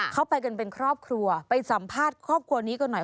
เขาไปกันเป็นครอบครัวไปสัมภาษณ์ครอบครัวนี้กันหน่อย